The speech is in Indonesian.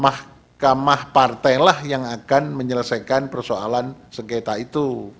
mahkamah partailah yang akan menyelesaikan persoalan sengketa itu